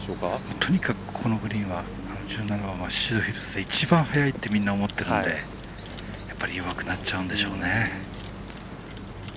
とにかくここのグリーンは宍戸ヒルズで一番速いってみんな思っているので弱くなっちゃうんでしょうね。